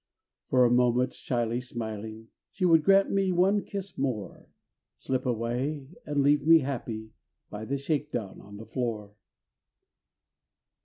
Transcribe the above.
For a moment shyly smiling, She would grant me one kiss more Slip away and leave me happy By the shake down on the floor.